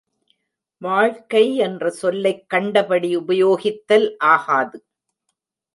வாழ்க்கை என்ற சொல்லைக் கண்டபடி உபயோகித்தல் ஆகாது.